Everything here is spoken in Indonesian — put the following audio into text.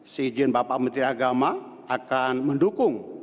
seijin bapak menteri agama akan mendukung